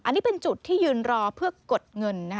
อันนี้เป็นจุดที่ยืนรอเพื่อกดเงิน